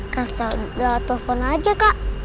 kasih tau dia telfon aja kak